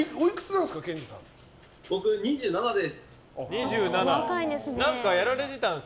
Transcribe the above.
僕、２７です。